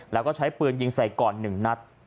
แล้วก็ใช้ปืนยิงใส่ก่อน๑นัด